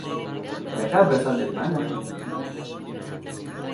Mereka berasal dari mana?